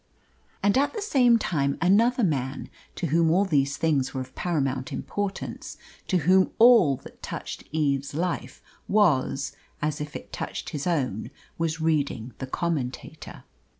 And at the same time another man, to whom all these things were of paramount importance to whom all that touched Eve's life was as if it touched his own was reading the Commentator.